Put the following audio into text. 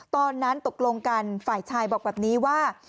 ตอนนั้นตกลงกันฝ่ายชายบอกแบบนี้ว่า